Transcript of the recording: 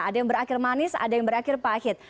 ada yang berakhir manis ada yang berakhir pahit